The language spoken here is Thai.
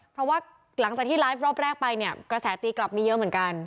เพราะว่าหลังจากที่ไลฟ์รอบแรกไปเนี่ยกระแสตีกลับมีเยอะเหมือนกัน